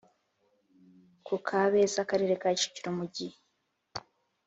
ku Kabeza Akarere ka Kicukiro Umujyi